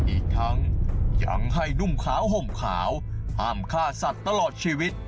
อีกทั้งยังให้นุ่มขาวห่มขาวห้ามฆ่าสัตว์ตลอดชีวิต